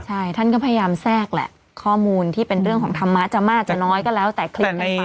ใช่ท่านก็พยายามแทรกแหละข้อมูลที่เป็นเรื่องของธรรมะจะมากจะน้อยก็แล้วแต่คลิปกันไป